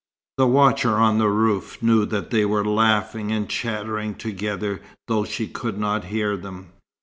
The watcher on the roof knew that they were laughing and chattering together though she could not hear them.